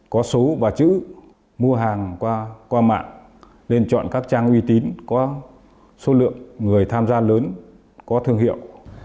có số và chữ mua hàng qua mạng nên chọn các trang uy tín có số lượng người tham gia lớn có thương hiệu